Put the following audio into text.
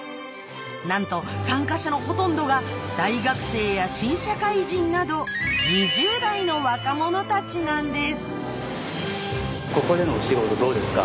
なんと参加者のほとんどが大学生や新社会人などここでのお仕事どうですか？